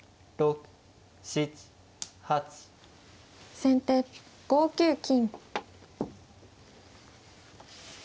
先手５九金。